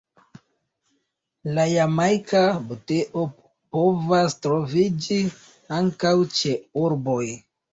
La Jamajka buteo povas troviĝi ankaŭ ĉe urboj.